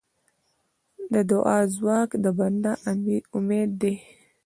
د دعا ځواک د بنده امید دی.